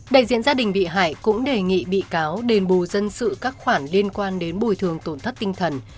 đại diện gia đình bị hại cũng đề nghị bị cáo đền bù dân sự các khoản liên quan đến bồi thường tổn thất tinh thần